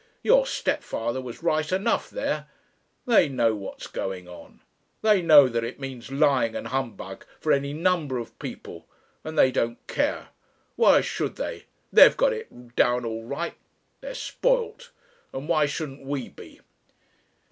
Your stepfather was right enough there. They know what's going on. They know that it means lying and humbug for any number of people, and they don't care. Why should they? They've got it down all right. They're spoilt, and why shouldn't we be?"